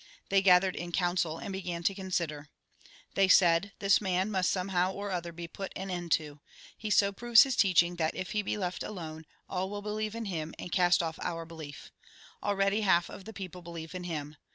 They gathered in council, and began to consider. They said :" This man must somehow or other be put an end to. He so proves his teaching that, if he be left alone, all will believe in him, and cast off our belief. Already half of the people believe in him.